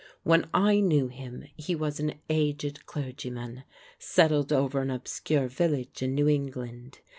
When I knew him, he was an aged clergyman, settled over an obscure village in New England.